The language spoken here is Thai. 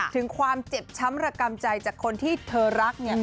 ถึงความเจ็บช้ำระกำใจจากคนที่เธอรัก